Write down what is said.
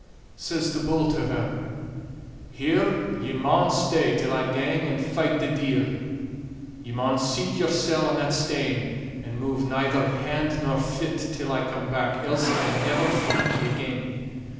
Says the bull to her: "Here ye maun stay till I gang and fight the deil. Ye maun seat yoursel' on that stane, and move neither hand nor fit till I come back, else I'll never find ye again.